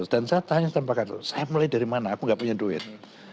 dan saya tanya tempat tempat itu saya mulai dari mana aku gak punya duit